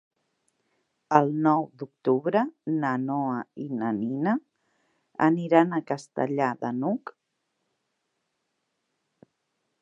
El nou d'octubre na Noa i na Nina aniran a Castellar de n'Hug.